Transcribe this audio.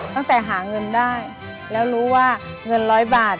ตั้งแต่หาเงินได้แล้วรู้ว่าเงินร้อยบาท